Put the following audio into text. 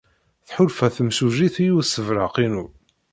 Tḥulfa temsujjit i ussebreq-inu.